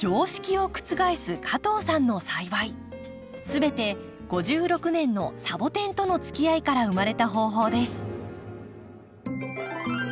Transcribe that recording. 全て５６年のサボテンとのつきあいから生まれた方法です。